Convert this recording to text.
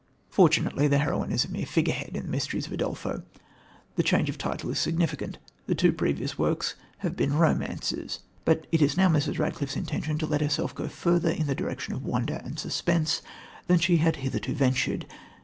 Fortunately the heroine is merely a figurehead in The Mysteries of Udolpho (1794). The change of title is significant. The two previous works have been romances, but it is now Mrs. Radcliffe's intention to let herself go further in the direction of wonder and suspense than she had hitherto ventured.